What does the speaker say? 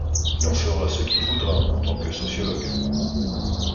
il en fera ce qu'il voudra, en tant que sociologue...